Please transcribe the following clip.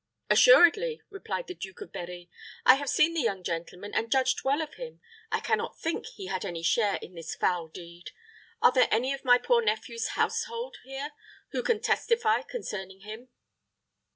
"Assuredly," replied the Duke of Berri. "I have seen the young gentleman, and judged well of him. I can not think he had any share in this foul deed. Are there any of my poor nephew's household here who can testify concerning him?"